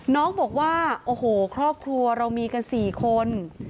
น้องบอกว่าโอ้โหครอบครัวเรามีกัน๔คน